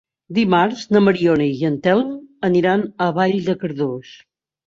Dimarts na Mariona i en Telm aniran a Vall de Cardós.